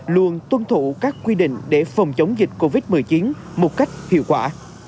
luôn tuân thủ các quy định để phòng chống dịch covid một mươi chín một cách hiệu quả